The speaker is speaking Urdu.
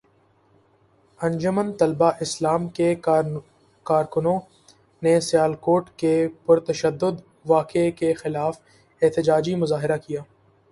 انجمن طلباء اسلام کے کارکنوں نے سیالکوٹ کے پرتشدد واقعے کے خلاف احتجاجی مظاہرہ کیا